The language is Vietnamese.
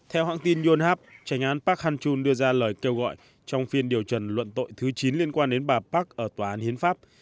theo hãng tin yonhap trành án park han chun đưa ra lời kêu gọi trong phiên điều trần luận tội thứ chín liên quan đến bà park ở tòa hiến pháp